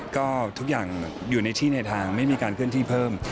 ก็ทุกอย่างอยู่ในที่ในทางไม่มีการเคลื่อนที่เพิ่ม